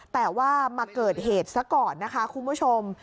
แต่ว่ามาเกิดเหตุซะก่อนนะคะคุณผู้ชม